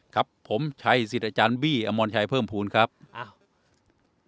ครับผมชัยสิทธิ์อาจารย์บี้อมรชัยเพิ่มภูมิครับอ้าว